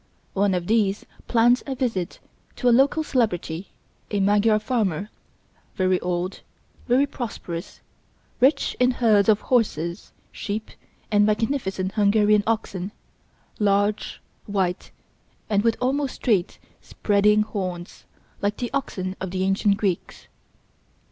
One of these planned a visit to a local celebrity, a Magyar farmer, very old, very prosperous, rich in herds of horses, sheep and magnificent Hungarian oxen, large, white and with almost straight, spreading horns, like the oxen of the ancient Greeks.